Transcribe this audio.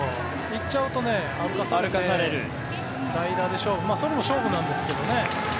行っちゃうと歩かされて代打で勝負それも勝負なんですけどね。